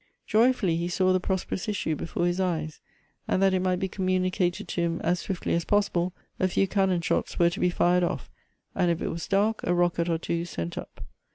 Joyfully he saw the prosperous issue before his eyes ; and that it might be communicated to him as swiftly as possible, a few cannon shots were to be fired off, and if it was dark, a rocket or two sent up.